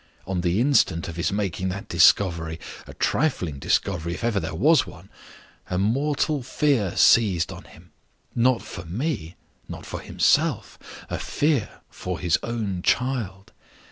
On the instant of his making that discovery a trifling discovery, if ever there was one yet a mortal fear seized on him: not for me, not for himself; a fear for his own child.